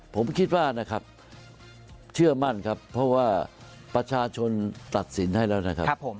ผมคิดว่านะครับเชื่อมั่นครับเพราะว่าประชาชนตัดสินให้แล้วนะครับผม